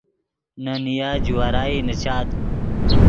نے نیا جوارائی نیچاد